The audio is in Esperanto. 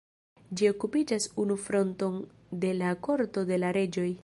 Ĝi okupas unu fronton de la Korto de la Reĝoj.